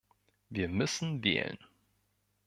Wir müssen wählen.